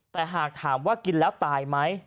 แต่หากถามว่ากินแล้วตายไหม